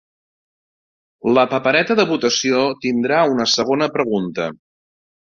La papereta de votació tindrà una segona pregunta.